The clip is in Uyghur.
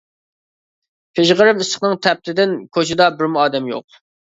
پىژغىرىم ئىسسىقنىڭ تەپتىدىن كوچىدا بىرمۇ ئادەم يوق.